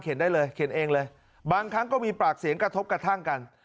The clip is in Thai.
ได้เลยเขียนเองเลยบางครั้งก็มีปากเสียงกระทบกระทั่งกัน